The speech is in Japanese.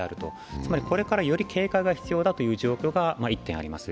つまり、これからより警戒が必要だという状況が１点あります。